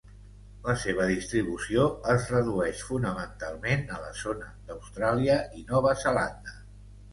La seva distribució es redueix fonamentalment a la zona d'Austràlia i Nova Zelanda.